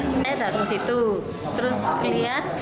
saya datang ke situ terus lihat